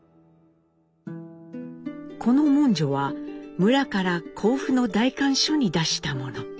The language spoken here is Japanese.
この文書は村から甲府の代官所に出したもの。